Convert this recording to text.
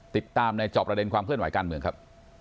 ติดตามในจอบประเด็นความเคลื่อนไหวการเมืองครับ